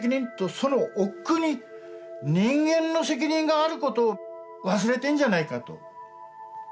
その奥に人間の責任があることを忘れてんじゃないかと。